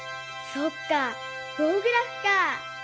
そっかぼうグラフか。